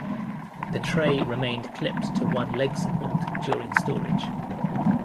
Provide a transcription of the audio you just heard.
The tray remained clipped to one leg support during storage.